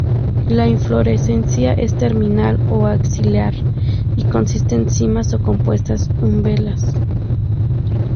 La inflorescencia es terminal o axilar, y consiste en cimas o compuestas umbelas.